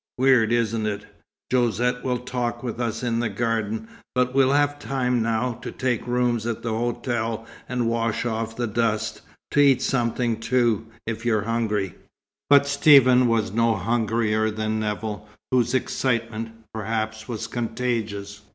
Weird, isn't it? Josette will talk with us in the garden. But we'll have time now to take rooms at the hotel and wash off the dust. To eat something too, if you're hungry." But Stephen was no hungrier than Nevill, whose excitement, perhaps, was contagious.